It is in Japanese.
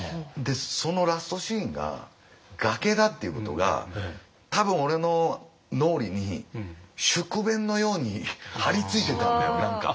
そのラストシーンが崖だっていうことが多分俺の脳裏に宿便のように張り付いてたんだよ何か。